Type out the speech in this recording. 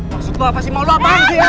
maksud lo pasti mau lo apaan sih ya